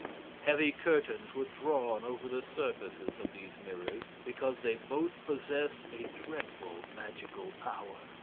Heavy curtains were drawn over the surfaces of these mirrors, because they both possessed a dreadful magical power.